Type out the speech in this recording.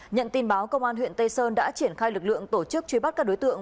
nhận tin báo công an huyện tây sơn đã triển khai lực lượng tổ chức truy bắt các đối tượng